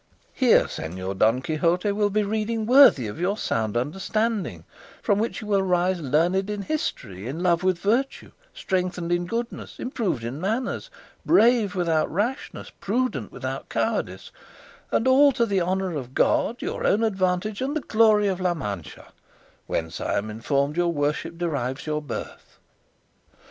Here, Señor Don Quixote, will be reading worthy of your sound understanding; from which you will rise learned in history, in love with virtue, strengthened in goodness, improved in manners, brave without rashness, prudent without cowardice; and all to the honour of God, your own advantage and the glory of La Mancha, whence, I am informed, your worship derives your birth."